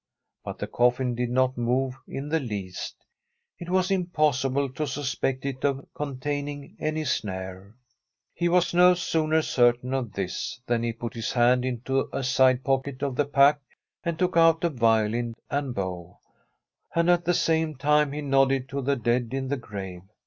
But the coffin did not move in the least; it was impossible to suspect it of containing any snare. He was no sooner certain of this than he put his hand into a side pocket of the pack and took out a violin and bow, and at the same time he nodded to the dead in the grave.